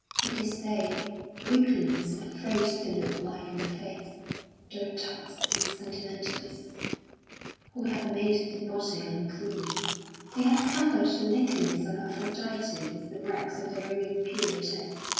It is they, weaklings afraid to look life in the face, dotards and sentimentalists, who have made the body unclean. They have covered the nakedness of Aphrodite with the rags of their own impurity.